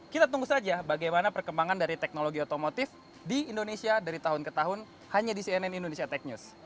kita tunggu saja bagaimana perkembangan dari teknologi otomotif di indonesia dari tahun ke tahun hanya di cnn indonesia tech news